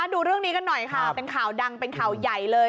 ดูเรื่องนี้กันหน่อยค่ะเป็นข่าวดังเป็นข่าวใหญ่เลย